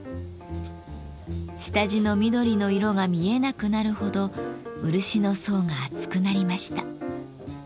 下地の緑の色が見えなくなるほど漆の層が厚くなりました。